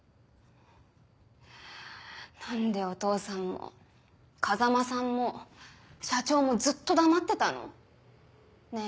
何でお父さんも風真さんも社長もずっと黙ってたの？ねぇ。